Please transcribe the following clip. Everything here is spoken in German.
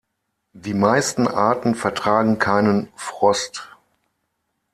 Die meisten Arten vertragen keinen Frost.